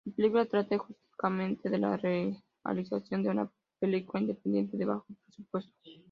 La película trata justamente de la realización de una película independiente de bajo presupuesto.